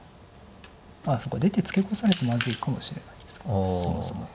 あっそうか出てツケコされてまずいかもしれないですかそもそも。